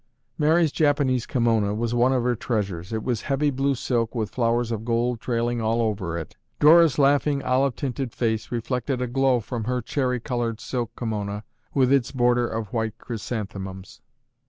Mary's Japanese kimona was one of her treasures. It was heavy blue silk with flowers of gold trailing all over it. Dora's laughing, olive tinted face reflected a glow from her cherry colored silk kimona with its border of white chrysanthemums.